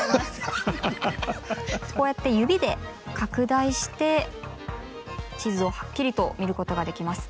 こうやって指で拡大して地図をはっきりと見ることができます。